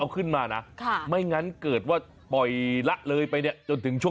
คนเดียว